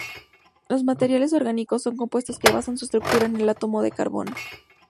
Los materiales orgánicos son compuestos que basan su estructura en el átomo de carbono.